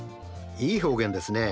いい表現ですね。